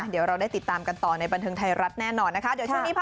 เดี๋ยวเราได้ติดตามกันต่อในบันทึงไทยรัฐแน่นอนนะคะ